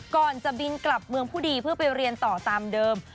ก่อนจะบินกลับเมืองผู้ดีเพื่อไปเรียนต่อตามเดิม